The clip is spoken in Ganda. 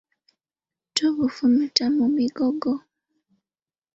Tubufumita mu migogo.